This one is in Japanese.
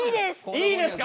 いいですか？